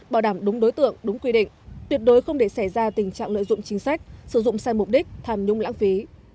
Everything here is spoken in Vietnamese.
bảo đảm đúng đối tượng đúng quy định tuyệt đối không để xảy ra tình trạng lợi dụng chính sách sử dụng sai mục đích tham nhung lãng phí